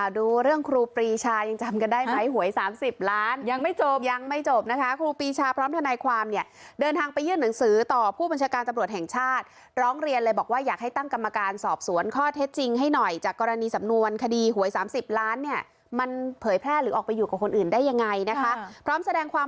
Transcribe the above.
ดูเรื่องครูปรีชายังจำกันได้ไหมหวย๓๐ล้านยังไม่จบยังไม่จบนะคะครูปีชาพร้อมทนายความเนี่ยเดินทางไปยื่นหนังสือต่อผู้บัญชาการตำรวจแห่งชาติร้องเรียนเลยบอกว่าอยากให้ตั้งกรรมการสอบสวนข้อเท็จจริงให้หน่อยจากกรณีสำนวนคดีหวย๓๐ล้านเนี่ยมันเผยแพร่หรือออกไปอยู่กับคนอื่นได้ยังไงนะคะพร้อมแสดงความ